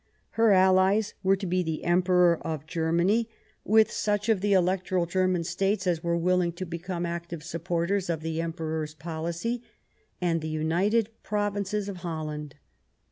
Her allies were to be the Emperor of Germany, with such 60 THOSE ABOUND QUEEN ANNE of the electoral Grerman states as were willing to be come active supporters of the Emperor's policy, and the United Provinces of Holland.